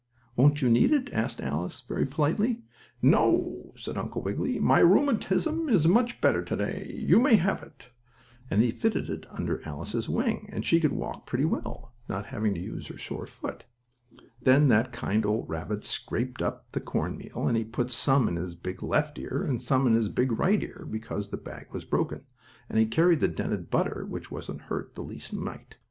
"Won't you need it?" asked Alice, very politely. "No," said Uncle Wiggily. "My rheumatism is much better to day. You may have it," and he fitted it under Alice's wing, and she could walk pretty well, not having to use her sore foot. Then that kind old rabbit scraped up all the cornmeal, and he put some in his big left ear and some in his big right ear, because the bag was broken, and he carried the dented butter, which wasn't hurt the least mite.